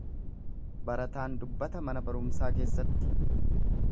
Barataan dubbata mana barumsaa keessatti.